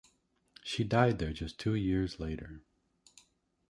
She died there just two years later.